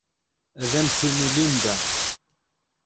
Ad am-t-tini Linda.